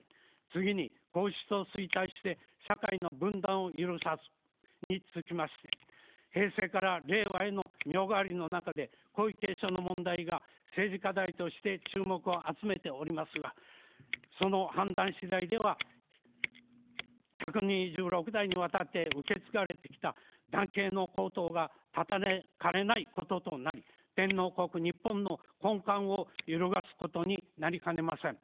次に皇室を推戴して社会の分断を許さず、につきまして平成から令和への御代替わりの中で皇位継承の問題が政治課題として注目を集めておりますが、その判断しだいでは１２６代にわたって受け継がれてきた男系の皇統が断たれかねないこととなり天皇国日本の根幹を揺るがすことになりかねません。